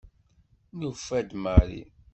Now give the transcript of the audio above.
Nufa-d Mari.